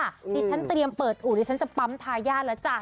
อืมนี่ฉันเตรียมเปิดอุ๋นนี่ฉันจะปั๊มทายาทแล้วจ้ะ